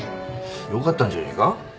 よかったんじゃねえか。